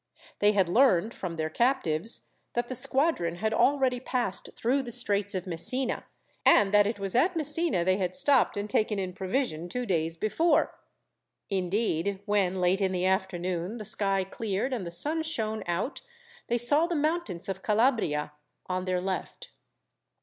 They had learned, from their captives, that the squadron had already passed through the Straits of Messina, and that it was at Messina they had stopped and taken in provision two days before. Indeed, when, late in the afternoon, the sky cleared and the sun shone out, they saw the mountains of Calabria on their left.